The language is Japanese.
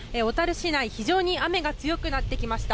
市内非常に雨が強くなってきました。